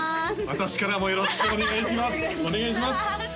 私からもよろしくお願いします